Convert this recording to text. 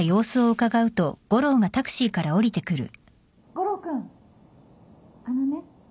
悟郎君あのね。